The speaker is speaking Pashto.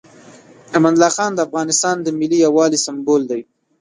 امان الله خان د افغانستان د ملي یووالي سمبول دی.